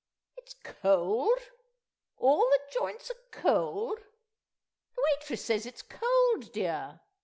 It's cold? All the joints are cold? The waitress says it's cold, dear!